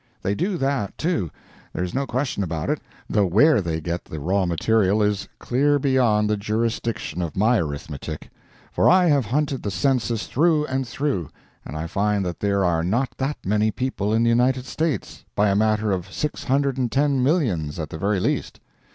They do that, too—there is no question about it; though where they get the raw material is clear beyond the jurisdiction of my arithmetic; for I have hunted the census through and through, and I find that there are not that many people in the United States, by a matter of six hundred and ten millions at the very least.